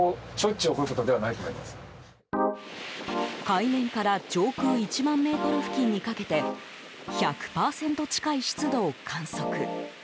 海面から上空１万ｍ付近にかけて１００％近い湿度を観測。